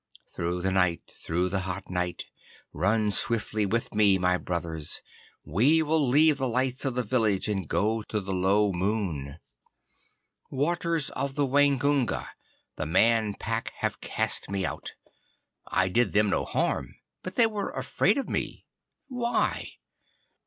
Through the night, through the hot night, run swiftly with me, my brothers. We will leave the lights of the village and go to the low moon. Waters of the Waingunga, the Man Pack have cast me out. I did them no harm, but they were afraid of me. Why?